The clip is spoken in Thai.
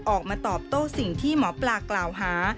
ออกมาตอบโต้สิ่งที่หมอปลากล่าวหา